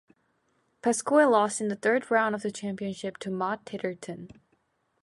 Pascoe lost in the third round of the championship to Maud Titterton.